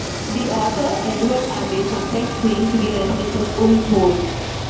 The author Edward Abbey sometimes claimed to be a resident of Wolf Hole.